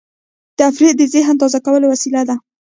تفریح د ذهن تازه کولو وسیله ده.